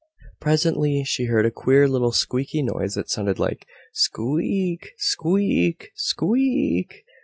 Presently she heard a queer little squeaky noise that sounded like "Squeak, Squeak, Squeak!!!